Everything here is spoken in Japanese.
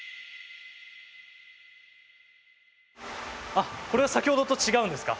あっこれは先ほどと違うんですか？